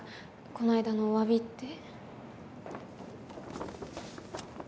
この間のお詫びって。